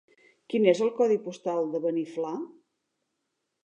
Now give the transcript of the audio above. Quin és el codi postal de Beniflà?